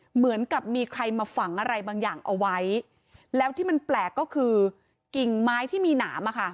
เหมือนกับมีใครมาฝังอะไรบางอย่างเอาไว้แล้วที่มันแปลกก็คือกิ่งไม้ที่มีหนามอ่ะค่ะ